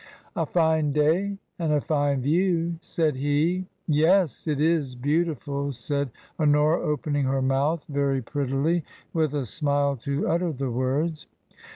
A fine day and a fine view," said he. Yes ; it is beautiful," said Honora, opening her mouth very prettily with a smile to utter the words.